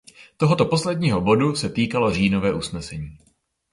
Tohoto posledního bodu se týkalo říjnové usnesení.